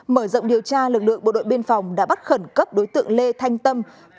mở rộng điều tra lực lượng bộ đội biên phòng đã bắt khẩn cấp đối tượng lê thanh tâm